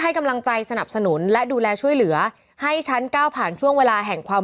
กำลังใจสนับสนุนและดูแลช่วยเหลือให้ชั้นก้าวผ่านช่วงเวลาแห่งความ